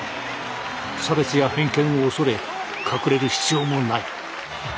差別や偏見を恐れ隠れる必要もない。